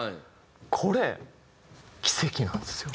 これ奇跡なんですよ。